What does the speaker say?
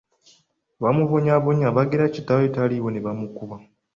Abaamubonyaabonya baagera kitaawe taliiwo ne bamukuba.